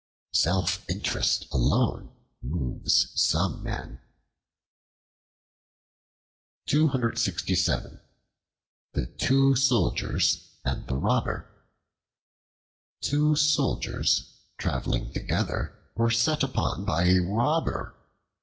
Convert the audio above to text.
Self interest alone moves some men. The Two Soldiers and the Robber TWO SOLDIERS traveling together were set upon by a Robber.